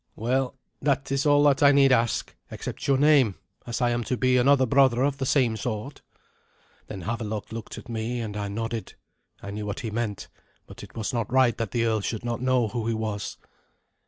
"Well, that is all that I need ask, except your name, as I am to be another brother of the same sort." Then Havelok looked at me, and I nodded. I knew what he meant; but it was not right that the earl should not know who he was.